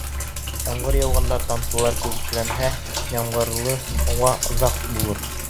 Ямғыр яуғанда тамсылар күбекләнһә, ямғырлы һауа оҙаҡ булыр.